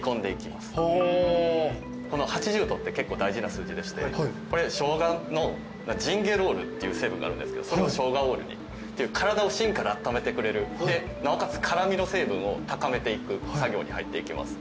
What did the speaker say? この８０℃って結構大事な数字でしてショウガのジンゲロールっていう成分があるんですけどそれをショウガオールにっていう体を芯からあっためてくれるなおかつ辛味の成分を高めていく作業に入っていきます。